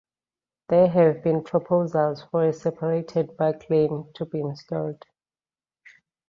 There have been proposals for a separated bike lane to be installed.